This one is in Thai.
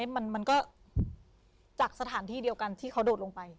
มันก็จากสถานที่เดียวกันที่เขาโดดลงไป